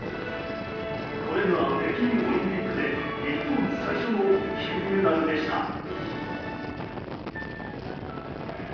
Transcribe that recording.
これが北京オリンピックで日本最初の金メダルでした。